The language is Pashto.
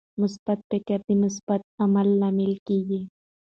مثبت فکر د مثبت عمل لامل کیږي.